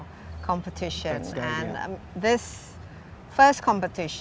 dan perubahan pertama ini